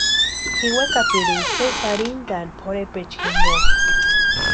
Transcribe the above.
Ji wekapirinka sési arhintani pʼorhepecha jimpo.